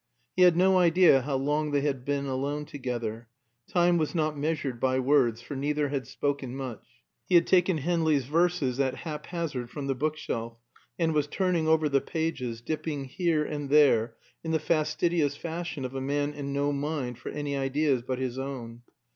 He had no idea how long they had been alone together. Time was not measured by words, for neither had spoken much. He had taken Henley's "Verses" at haphazard from the bookshelf and was turning over the pages, dipping here and there, in the fastidious fashion of a man in no mind for any ideas but his own.